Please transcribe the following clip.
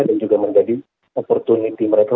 dan juga menjadi opportunity mereka